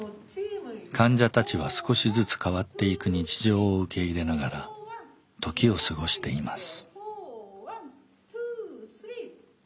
患者たちは少しずつ変わっていく日常を受け入れながら時を過ごしています。